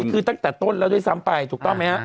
คือตั้งแต่ต้นแล้วด้วยซ้ำไปถูกต้องไหมฮะ